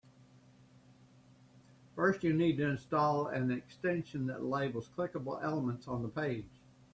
First, you need to install an extension that labels clickable elements on the page.